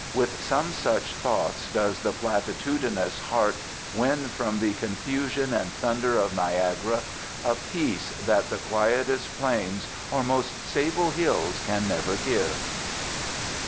With some such thoughts does the platitudinous heart win from the confusion and thunder of Niagara a peace that the quietest plains or most stable hills can never give.